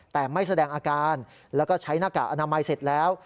แต่ไม่แสดงอาการแล้วก็ใช้หน้ากากอนามัยเสร็จแล้ว